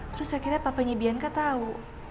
terus akhirnya papanya bianca tau